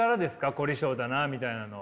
凝り性だなみたいなのは。